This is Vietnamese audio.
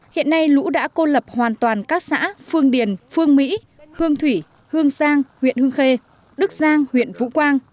hiện nay lũ đã cô lập hoàn toàn các xã phương điền phương mỹ hương thủy hương sang huyện hương khê đức giang huyện vũ quang